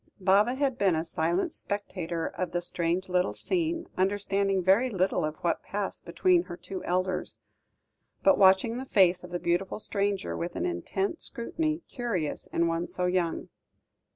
Baba had been a silent spectator of the strange little scene, understanding very little of what passed between her two elders, but watching the face of the beautiful stranger with an intent scrutiny, curious in one so young.